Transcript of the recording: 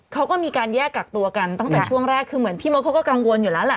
เขาก็มีการแยกกักตัวกันตั้งแต่ช่วงแรกคือเหมือนพี่มดเขาก็กังวลอยู่แล้วแหละ